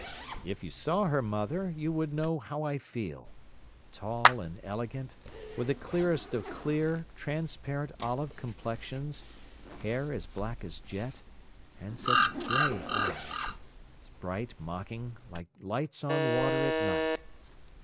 "If you saw her, mother, you would know how I feel. Tall and elegant, with the clearest of clear, transparent olive complexions, hair as black as jet, and such grey eyes—bright, mocking, like lights on water at night.